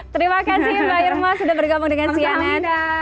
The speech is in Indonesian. terima kasih mbak irma sudah bergabung dengan si anand